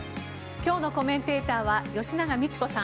今日のコメンテーターは吉永みち子さん